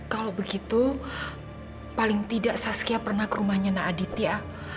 kalau begitu paling tidak saskia pernah ke rumahnya na aditya